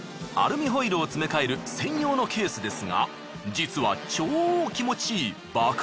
アルミホイルを詰め替える専用のケースですが実は超気持ちいい爆